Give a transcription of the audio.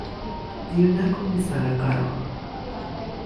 دیر نکنی سر قرار